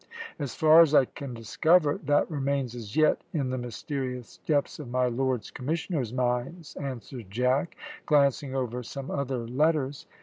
"As far as I can discover, that remains as yet in the mysterious depths of my Lords Commissioners' minds," answered Jack, glancing over some other letters.